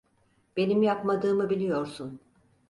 Benim yapmadığımı biliyorsun.